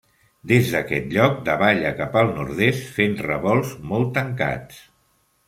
Des d'aquest lloc davalla cap al nord-est, fent revolts molt tancats.